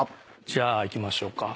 じゃあいきましょうか。